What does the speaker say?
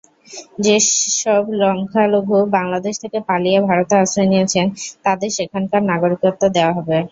যেসব সংখ্যালঘু বাংলাদেশ থেকে পালিয়ে ভারতে আশ্রয় নিয়েছেন, তাঁদের সেখানকার নাগরিকত্ব দেওয়া হবে।